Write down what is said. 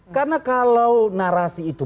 karena kalau narasi itu